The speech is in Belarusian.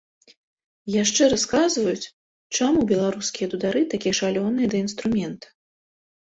Яшчэ расказваюць, чаму беларускія дудары такія шалёныя да інструмента.